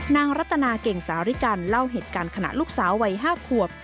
รัตนาเก่งสาริกันเล่าเหตุการณ์ขณะลูกสาววัย๕ขวบ